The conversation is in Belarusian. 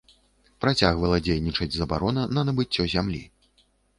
Працягвала дзейнічаць забарона на набыццё зямлі.